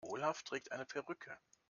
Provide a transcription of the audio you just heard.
Olaf trägt eine Perücke.